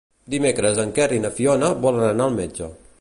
Dimecres en Quer i na Fiona volen anar al metge.